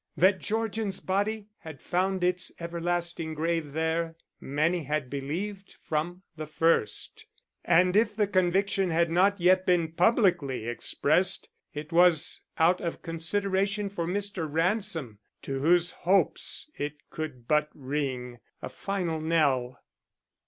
That Georgian's body had found its everlasting grave there, many had believed from the first, and if the conviction had not yet been publicly expressed it was out of consideration for Mr. Ransom, to whose hopes it could but ring a final knell.